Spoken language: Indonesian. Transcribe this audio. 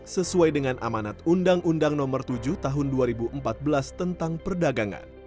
sesuai dengan amanat undang undang nomor tujuh tahun dua ribu empat belas tentang perdagangan